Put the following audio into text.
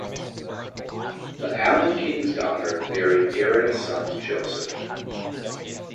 The Alan king's daughter married Aaron's son Joseph.